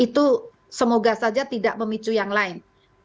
itu semoga saja tidak memicu yang lain